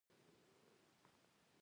دا اړیکه د نظم بنسټ ګڼل کېږي.